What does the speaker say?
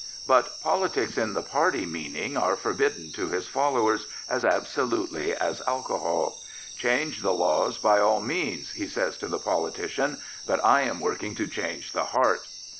But politics in the party meaning are forbidden to his followers as absolutely as alcohol. Change the laws by all means, he says to the politician, but I am working to change the heart.